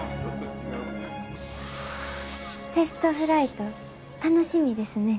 テストフライト楽しみですね。